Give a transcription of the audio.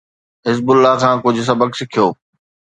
حزب الله کان ڪجھ سبق سکيو.